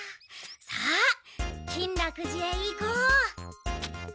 さあ金楽寺へ行こう。